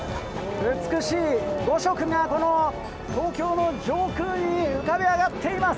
美しい５色がこの東京の上空に浮かび上がっています。